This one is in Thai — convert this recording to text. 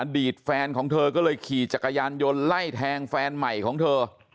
ตแฟนของเธอก็เลยขี่จักรยานยนต์ไล่แทงแฟนใหม่ของเธอ